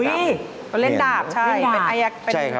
โอ้ยเขาเล่นดาบเป็นเอกขัมผู้รักษาการ